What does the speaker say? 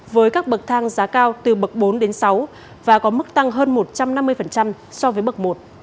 với các bức thang giá cao từ bức bốn đến sáu và có mức tăng hơn một trăm năm mươi so với bức một